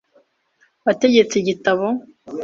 Wategetse igitabo?